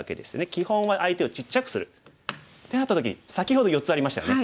基本は相手をちっちゃくする。ってなった時に先ほど４つありましたよね。